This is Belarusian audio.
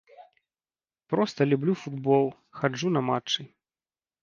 Проста люблю футбол, хаджу на матчы.